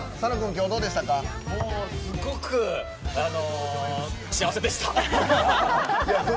すごく幸せでした。